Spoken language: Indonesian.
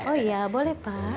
oh iya boleh pak